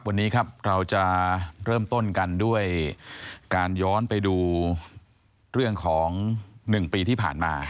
วันนี้ครับเราจะเริ่มต้นกันด้วยการย้อนไปดูเรื่องของ๑ปีที่ผ่านมา